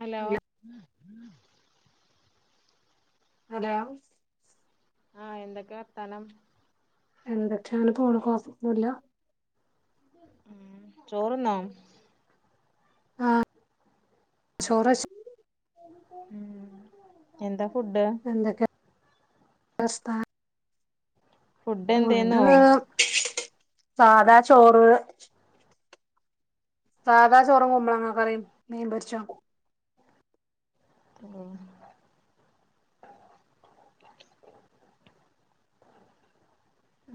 Hello hello ആഹ് എന്തൊക്കെ വർത്താനം? എന്തൊക്കെ അങ്ങനെ പോണ് കൊഴപ്പൊന്നൂല്ല. ഉം ചോറുന്നോ? ആഹ് ചോറയ്ച്ച് ഉം എന്താ ഫുഡ്ഡ്? എന്തൊക്കെ [unintelligible] ഫുഡ് സാധാ ചോറ് സാധാ ചോറും കുമ്പളങ്ങക്കറീം മീൻ പൊരിച്ചോം. തേൻ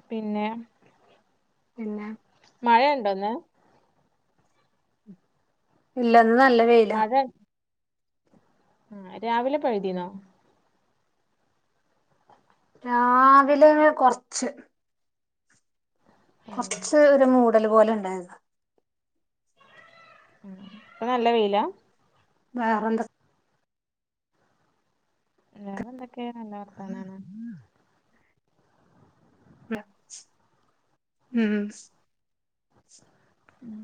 പിന്നെ പിന്നെ മഴയുണ്ടോന്ന്? ഇല്ല ഇന്ന് നല്ല വെയിലാ. ആ രാവിലെ പെയ്തീനോ? രാവിലെ കൊറച്ച്. കൊറച്ച് ഒരു മൂടല് പോലെ ണ്ടെയ്ര്ന്നു. ഉം ഇപ്പ നല്ല വെയിലാ? വേറെന്തെ വേറെന്തൊക്കെ നല്ല വർത്താനാണ്. ഉം ഉം ഉം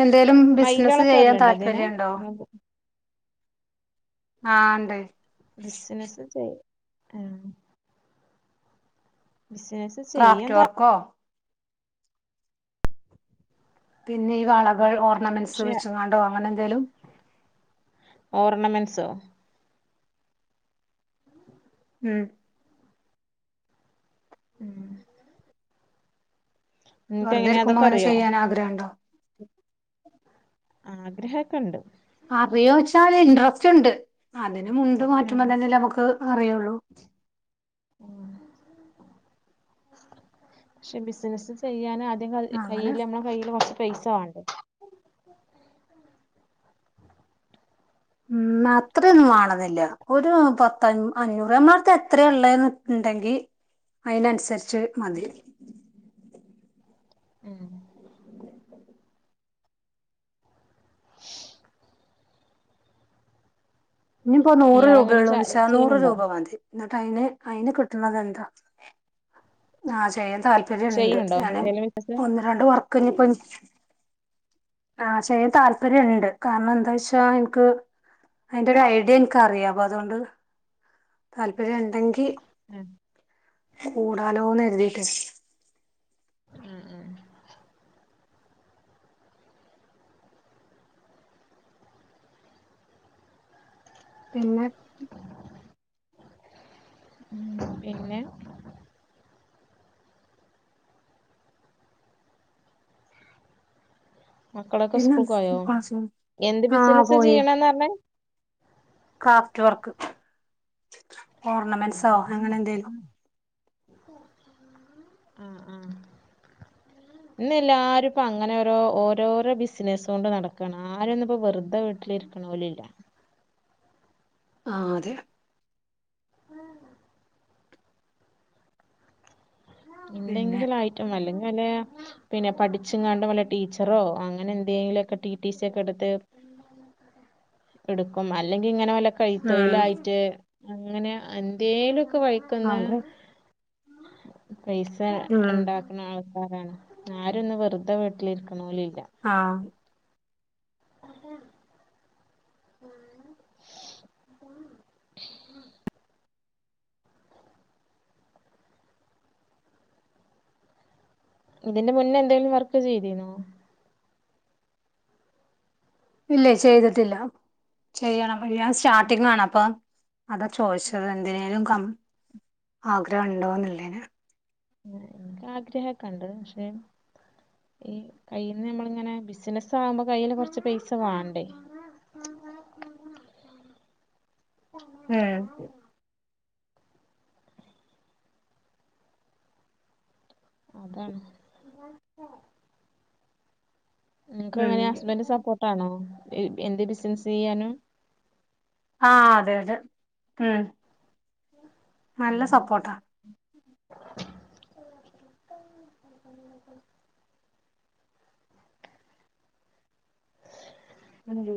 എന്തേലും ബിസിനസ്സ് ചെയ്യാൻ ഇതിന് താല്പര്യണ്ടോ? ആഹ് ഇണ്ട്. ബിസിനസ് ചെയ് ആ ബിസിനസ്സ് ചെയ്യാൻ ക്രാഫ്റ്റ് താൽ വർക്കോ പിന്നെ ഈ വളകൾ ഓർണമെന്റ്സ് പക്ഷെ വെച്ച്ക്കാണ്ടോ അങ്ങനെന്തേലും? ഓർണമെൻസോ? ഉം ഉം നിനക്ക് എങ്ങനെയാ വെറ്തെരിക്കുമ്പോ അതൊക്കെ ഇങ്ങനെ അറിയോ ചെയ്യാനാഗ്രഹണ്ടോ? ആഗ്രഹൊക്ക്ണ്ട്. ച്ചാലിൻട്രസ്റ്റ്ണ്ട് അതിനു മുണ്ട് ആഹ് മാറ്റുമ്പോ തന്നെല്ലമുക്ക് അറിയൊള്ളു. മ് ക്ഷെ ബിസിനസ് ചെയ്യാനാ റ്റ്ങ്ങൾ ഇ അങ്ങനെ കയ്യില് നമ്മള കയ്യില് കൊറച്ച് പൈസ വാണ്ടെ? ഉം അത്രയൊന്നു വാണന്നില്ല ഒരു പത്തഞ്ഞ് അഞ്ഞൂറ് നമ്മളെട്ത്ത് എത്ര ഉള്ളെന്ന് ഉ ണ്ടെങ്കിൽ അയിനനുസരിച്ച് മതി. ഉം ഇഞ്ഞ്പ്പോ നൂറ് ഇയാളങ്ങനെ ച രൂപയൊള്ളൂന്നച്ചാ നൂറ് ചെയ്യണുണ്ടോ രൂപ മതി. ന്നാ അയ്ന് അയിന് കിട്ടുന്നതെന്താ ആഹ ചെയ്യ താല്പര്യൻണ്ട്. ചെയ്യണുണ്ടോ ഞാന് ഏതേലും ബിസിനസ് ഒന്ന് രണ്ട് വർക്ക്ഞ്ഞ്പ്പോ ആഹ ചെയ്യാൻ താല്പര്യണ്ട്, കാരണെന്താച്ചാ ഇൻക്ക് അയിൻ്റൊരു ഐഡിയ ഇൻക്കറിയാ പ്പതോണ്ട് താല്പര്യണ്ടെങ്കി ഉം കൂടാലോന്നെരുതീട്ട്. ഉം ഉം പിന്നെ ഉം പിന്നെ മക്കളൊക്കെ പിന്നെ സ്കൂക്കോയോ ക്ലാസ് എന്ത് ആ ബിസിനസ് പോയി ചെയ്യണന്നറഞ്ഞെ? ക്രാഫ്റ്റ് വർക്ക്, ഓർണമെന്റ്സോ അങ്ങനെന്തേലും. അ അ ഇന്നെല്ലാരുപ്പ അങ്ങനെ ഓരോ ഓരോരോ ബിസിനസോണ്ട് നടക്കാണ് ആരന്ന്പ്പോ വെറുതെ വീട്ടിലിരി ആക്കണലല്ല ആ അതെ ഉം പിന്നെ എന്തെങ്കിലും ആയിറ്റം അല്ലെങ്ക വല പിന്നെ പഠിച്ചങ്ങാണ്ട്ും വല്ല ടീച്ചറോ അങ്ങനെ എന്തെങ്കിലും ഒക്കെ ടി ടി സി ഒക്കെ എടുത്ത് എടുക്കും അല്ലെങ്കിൽ ഇങ്ങനെ പോല ഉം കഴുത്തൊഴയിലായിട്ട് അങ്ങനെ എന്തേലുംൊക്കെ കഴിക്കന്ന് അത് പൈസ ഉം ഉണ്ടാക്കുന്ന ആൾക്കാരാണ് ആരൊന്ന വെറുതെ വീട്ടിലിരിക്കണല ആഹ അഹ ഉം ഉം ഇതിന്റെ മുന്നേ എന്തെങ്കിലും വർക്ക് ചെയ്തന്നോ ഇല്ലേ ചെയ്തിട്ടില്ല ചെയ്യണം ഞാൻ സ്റ്റാർട്ടിങ് വേണം അപ്പ അതാ ചോദിച്ചത് എന്തിനേലും ആഗ്രഹം ഉണ്ടോന്നില്ലേന് എനിക്ക് ആഗ്രഹൊക്കണ്ട പക്ഷേ ഈ കയ്യിൽന്ന് നമ്മളിങ്ങനെ ബിസിനസ്സ ആകുമ്പോ കയ്യില് കൊറച്ച് പൈസ വാണ്ടേ ആഹ ആ ആ ഹം അതാണ് നിങ്ങക്ക് ഉം അങ്ങനെ ഹസ്ബൻഡ സപ്പോർട്ടാണോ എന്ത് ബിസിനസ് ചെയ്യാനും ആഹ അതെ അതെ ഉം നല്ല സപ്പോർട്ടാണ് ഒരുട്ട എന ചെയ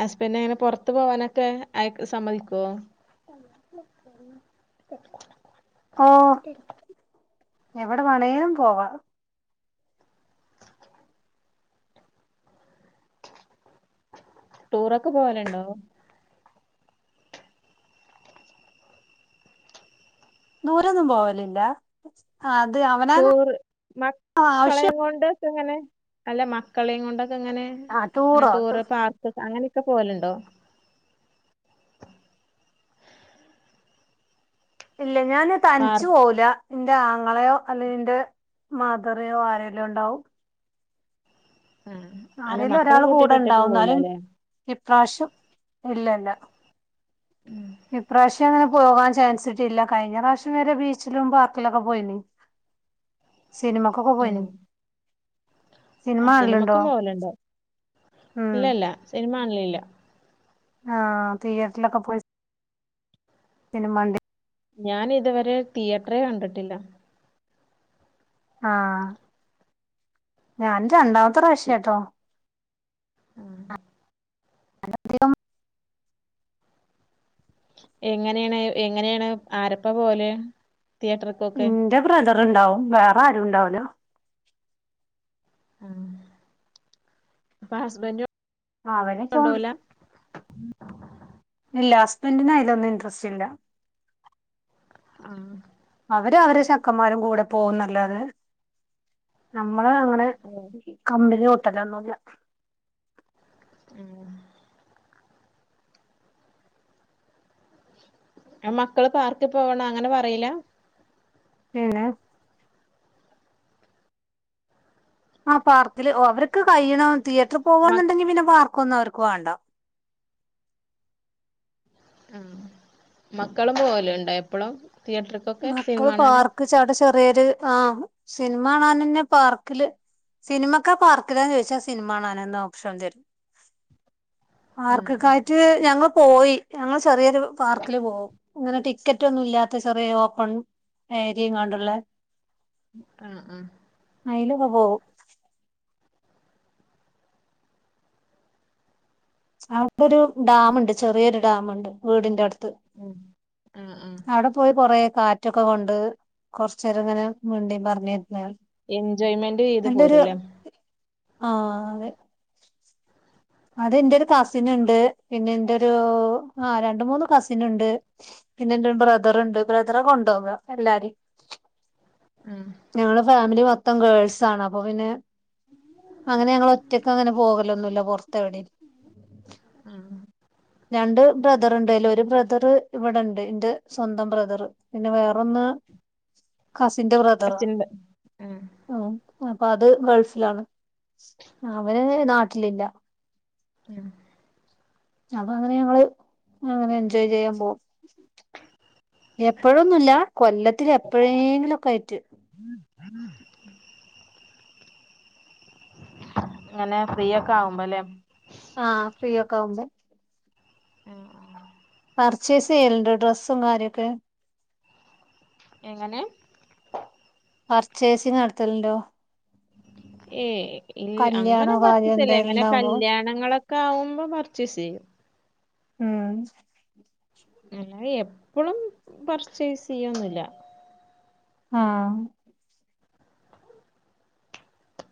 ഹസ്ബൻഡ അങ്ങനെ പറത്ത പോവാനൊക്കെ ആയി സമ്മതിക്കോ ഉ ഓ െ എവിടെ വേണേിലും പോവാ ടൂറൊക്കെ പോവാലുണ്ടോ നൂരൊന്നും പോവലില്ല ആ അത് അവന ടൂർ ആവശ്യം ങ്ങനെ അല്ല മക്കളെയും കൊണ്ടൊക്കെ ഇങ്ങനെ ആ അങ്ങനെ ടൂറോ ടൂറ് പാർക്ക് അങ്ങനെ ഒക്കെ പോലുണ്ടോ ഇല്ല ഞാാന് പാർ തനിച്ചു പോല എന്റെ ആങ്ങളെയോ അല്ലെ എന്റെ മധരയോ ആരല്ലോ ഉണ്ടാവും ആ അല്ല ആരെിലും മക്കളെ ഒരാൾ കൂട്ടിട്ട് കൂടെ ഒറ്റക്ക് പോവൂല ഇണ്ടാവുന്നാലും ല്ലേ ഇപ്രാവശ്യം ഇല്ലല്ല ഇപ്രാവശ്യം അങ്ങനെ പോകാൻ ചാൻസിട്ടില്ല കഴിഞ്ഞ പ്രാവശ്യം വരെ ബീച്ചിലും പാർക്കിലൊക്കെ പോയിണ സിനമാാക്കക്ക പോയില ആ സിനിമക്കും പോലുണ്ടോ ഉം ഇല്ലല്ല സിനിമ ആണലില്ല ആഹ തതിീയേറ്ററിലൊക്കെ പോയി സിനിമണ്ട് ഞാന് ഇതുവരെ തിയേറ്ററെ കണ്ടിട്ടില്ല ആഹ ഞൻ രണ്ടാമത്തെ പ്രാവശ്യാട്ടോ ആഹ അനം എങ്ങനെയാണ് എങ്ങനെയാണ് ആരപ്പ പോലെ തിയേറ്റർക്കൊക്കെ ണ്ടാവും വേറെ ആരുും ഉണ്ടാവല്ലോ ആ അപ്പൊ ഹസ്ബൻഡ ആ അവനെ ഫോണ്. ഇല്ല ഹസ്ബൻഡിനു അയിലൊന്നും ഇന്ട്രസ്റ്റ് ഇല്ല. ആ അവരു അവരടെ ചെക്കന്മാരും കൂടെ പോകുന്നല്ലാതെ, നമ് നമ്മളെ അങ്ങനെ ഓ. കമ്പനി കൂട്ടലൊന്നുവില്ല. ഉം മക്കള് പാർക്കിൽ പോകണ അങ്ങനെ പറയില്ല? ഇല്ലാ ആ പാർക്കില് ഓ അവർക്ക് കഴിയണം തിയേറ്ററി മ പോകന്നുണ്ടെങ്കി പിന്നെ പാർക്ക് ക്കൊന്നും അവർക്ക് വേണ്ട. ആ മക്കളും പോവലുണ്ടോ എപ്പളും? തിയേറ്റർക്കൊക്കെ സിനിമ മക്കള് കാണാന് പാർക്ക് ചാടെ ചെറിയൊരു ആ സിനിമ കാണാനന്നെ, പാർക്കില് സിനിമക്കൊ പാർക്കിലോന്ന് ചോദിച്ചാൽ സിനിമ കാണനന്ന് ഓപ്ഷൻ തരും. ആ ആർക്കൊക്കായിട്ട് ഞങ്ങള് പോയി ഞങ്ങൾ ചെറിയൊരു പാർക്കില് പോകും ഇങ്ങനെ ടിക്കറ്റ് ഒന്നും ഇല്ലാത്ത ചെറിയ ഓ ഏരിങ്ങാണ്ടുള്ള ആ ആ അയിലങ്ങു പോവും. അവിടൊരു ഡാമുണ്ട് ചെറിയൊരു ഡാമുണ്ട് വീടിന്റെ അടുത്ത് ഉം അവിടെ പോയി കൊറേ കാറ്റൊക്കെ കൊണ്ട് കൊറച്ചേരങ്ങനെ മിണ്ടീം പറഞ്ഞും ഇരി എൻജോയ്മെന്റ് ചെയ്ത് പോര്വല്ലേ? ആ അതേ ആടെന്റെയൊരു കസിനുണ്ട് പിന്നെ എന്റെ ഒരു ആ രണ്ടു മൂന്ന് കസിൻ ഉണ്ട് പിന്നെന്റെ ഒരു ബ്രദറുണ്ട് ബ്രദറാ കൊണ്ടുപോകാ എല്ലാരേം. ആ ഞങ്ങളുടെ ഫാമിലി മൊത്തം ഗേൾസ് ആണ് അപ്പൊ പിന്നെ അങ്ങനെ ഞങ്ങളൊറ്റക്കങ്ങനെ പോകലൊന്നുമില്ല പൊറത്തെവിടേം. ആഹ് ആഹ് രണ്ട് ബ്രദറുണ്ടയില് ഒരു ബ്രദറ് ഇവിടെണ്ട് എന്റെ സ്വന്തം ബ്രദറ്, പിന്നെ വേറൊന്ന് [inaudible] കസിന്റെ ബ്രദറാ കസിൻന്റെ ആ ഉം അപ്പൊ അത് ഗൾഫിലാണ് അവൻ നാട്ടിലില്ല. ഏഹ് അപ്പൊ അങ്ങനെ ഞങ്ങള് അങ്ങനെ എൻജോയ് ചെയ്യാൻ പോകും എപ്പഴൊന്നുല്ല കൊല്ലത്തിലെപ്പഴേങ്കിലും ഒക്കെ ആയിറ്റ്. [inaudible] അങ്ങനെ ഫ്രീ ഒക്കെ ആകുമ്പലേ? ആ ഫ്രീയൊക്കെയാവുമ്പോ ആഹ് ആഹ് പർച്ചേസ് ചെയ്യല്ണ്ടോ ഡ്രെസ്സും കാര്യൊക്കെ? എങ്ങനെ? പർച്ചേസിങ് നടത്തല്ണ്ടോ ഏഹ് ഇൽ അങ്ങനെ കാര്യം പർച്ചേസില്ല എന്തേലും എങ്ങനെ ഉണ്ടാവുമ്പോ കല്യാണങ്ങളൊക്കെ ആവുമ്പ പർച്ചേസ് ചെയ്യും. ആഹ് അല്ലാതെ എപ്പളും പർച്ചേസ് ചെയ്യൊന്നില്ല ആഹ്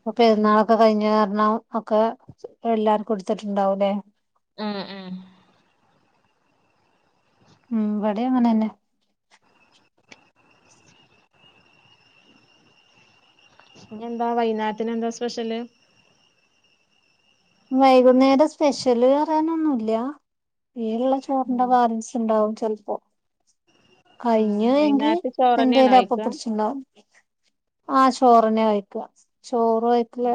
പ്പ പെരുന്നാളൊക്കെ കഴിഞ്ഞ കാരണം ഒക്കെ എല്ലാർക്കും ഇട്ത്തിട്ടുണ്ടാവൂല്ലേ? ഉം ഉം ഉം വടെ അങ്ങനെന്നെ ഇഞ്ഞെന്താ വൈന്നാരത്തിനു എന്താ സ്പെഷ്യല് വൈകുന്നേരം സ്പെഷ്യല് പറയാനൊന്നുല്ല ഈയുള്ള ചോറിന്റെ ബാലൻസ് ഉണ്ടാവും ചെൽപ്പോ ആ കഴിഞ്ഞ് എങ്കിൽ വൈകുന്നേരത്ത് ചോറന്നെയാണോ എന്തേലും അപ്പ കഴിക്ക പിടിച്ച്ണ്ടാവും ആഹ് ചോറെന്നെ കഴിക്ക ചോറ് കഴിക്കല്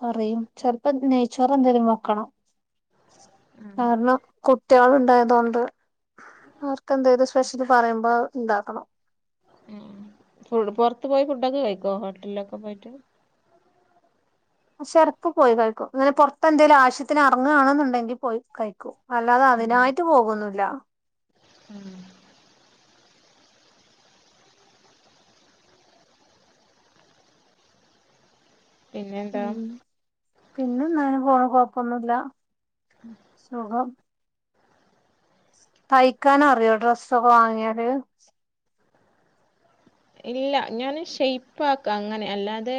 കറിയും ചെലപ്പോ നെയ്ച്ചോറ് എന്തേലും വെക്കണം കാരണം കു ട്ട്യാള് ഉണ്ടായതോണ്ട് അവർക്ക്‌ എന്തേലും സ്പെഷ്യല് പറയുമ്പോ ഉണ്ടാക്കണം ഉം ഫുഡ് പൊറത്ത് പോയി ഫുഡൊക്കെ കഴിക്കോ ഹോട്ടലിലൊക്കെ പോയിട്ട് പക്ഷേ എടക്ക് പോയി കഴിക്കും ഇങ്ങനെ പൊറത്തെന്തേലും ആവശ്യത്തിന് അറങ്ങാണെന്നുണ്ടെങ്കിൽ പോയി കഴിക്കും അല്ലാതെ അതിനായിട്ട് പോകൊന്നില്ല പിന്നെന്താ ഉം പിന്നെന്താങ്ങനെ പോണ് കൊഴപ്പൊന്നുല്ല സുഖം തയ്ക്കാനറിയോ ഡ്രസ്സൊക്കെ വാങ്ങിയാല് ഇല്ല ഞാന് ഷെയ്പാക്ക അങ്ങനെ അല്ലാതേ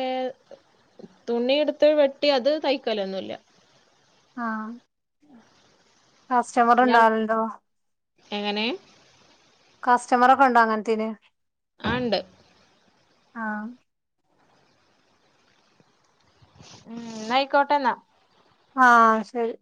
തുണി എടുത്ത് വെട്ടി അത് തയ്ക്കലൊന്നുല്ല ആഹ് കസ്റ്റമറ് ഇയാൾ ഉണ്ടാവലുണ്ടോ? എങ്ങനെ? കസ്റ്റമറൊക്കെ ഉണ്ടോ അങ്ങൻത്തിന് ആഹ് ണ്ട് ആഹ് ഉം ന്നയ്ക്കോട്ടെന്നാ ആഹ് ശരി